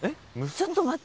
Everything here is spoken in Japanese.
ちょっと待って。